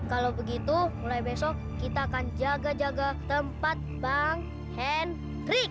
kalau begitu mulai besok kita akan jaga jaga tempat bang hendrik